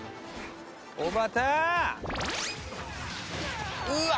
おばた！